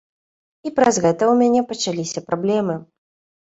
І праз гэта ў мяне пачаліся праблемы.